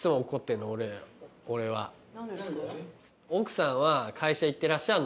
奥さんは会社行ってらっしゃるのよ。